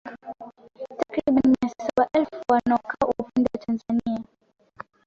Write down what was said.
Takriban mia saba elfu wanaokaa upande wa Tanzania